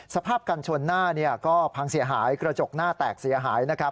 สภาพกันชนหน้าก็พังเสียหายกระจกหน้าแตกเสียหายนะครับ